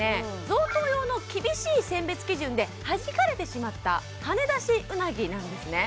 贈答用の厳しい選別基準ではじかれてしまったはねだしうなぎなんですね